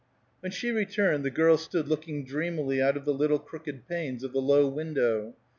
When she returned, the girl stood looking dreamily out of the little crooked panes of the low window.